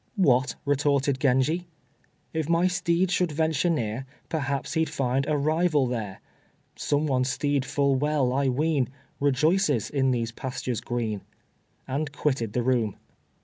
"What?" retorted Genji, "If my steed should venture near, Perhaps he'd find a rival there, Some one's steed full well, I ween, Rejoices in these pastures green." And quitted the room.